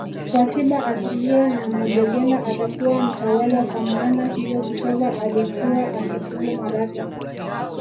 wa tiba asilia na mudegela atakuwa mtawala kwa maana hiyo kitova alikuwa akitibu maradhi